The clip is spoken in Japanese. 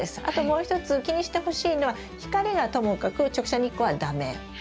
あともう一つ気にしてほしいのは光がともかく直射日光は駄目。